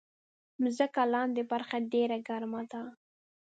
مځکه لاندې برخه ډېره ګرمه ده.